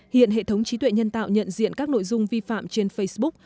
hiện hệ thống trí tuệ nhân tạo nhận diện các nội dung vi phạm trên facebook